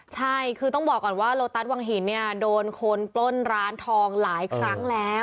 ใช่คือต้องบอกก่อนว่าโลตัสวังหินเนี่ยโดนคนปล้นร้านทองหลายครั้งแล้ว